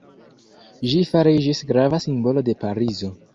Ĝi fariĝis grava simbolo de Parizo.